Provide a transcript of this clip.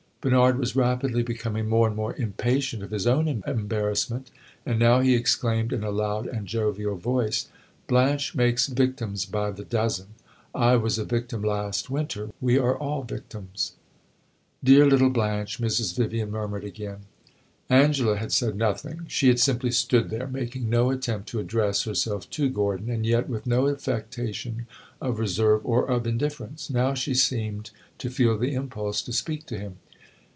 Bernard was rapidly becoming more and more impatient of his own embarrassment, and now he exclaimed, in a loud and jovial voice "Blanche makes victims by the dozen! I was a victim last winter; we are all victims!" "Dear little Blanche!" Mrs. Vivian murmured again. Angela had said nothing; she had simply stood there, making no attempt to address herself to Gordon, and yet with no affectation of reserve or of indifference. Now she seemed to feel the impulse to speak to him.